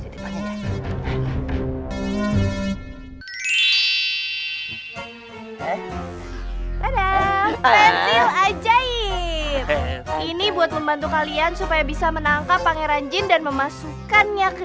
terima kasih ini buat membantu kalian supaya bisa menangkap pangeran jin dan memasukkannya ke